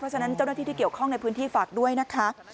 ฉะนั้นเจ้าหน้าที่ที่เกี่ยวข้องในพื้นที่ฝากด้วยนะคะ